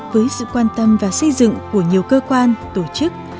với sự quan tâm và xây dựng của nhiều cơ quan tổ chức